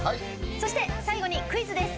そして、最後にクイズです。